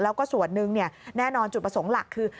แล้วก็ส่วนหนึ่งแน่นอนจุดประสงค์หลักคือ